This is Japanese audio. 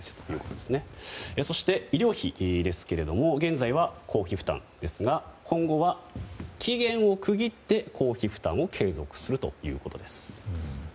そして、医療費ですが現在は公費負担ですが今後は期限を区切って公費負担を継続するということです。